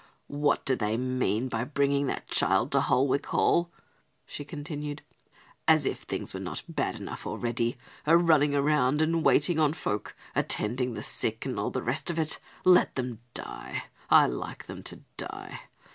"What do they mean by bringing that child to Holwick Hall," she continued, "as if things were not bad enough already, a running round and waiting on folk, a tending the sick and all the rest of it? Let them die! I like them to die.